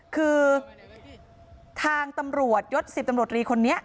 คือทางตำรวจยศ๑๐ตำรวจรีคนนี้